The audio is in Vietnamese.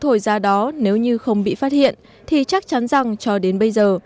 thổi ra đó nếu như không bị phát hiện thì chắc chắn rằng cho đến bây giờ